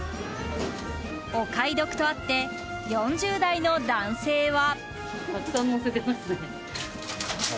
お買い得とあって４０代の男性は。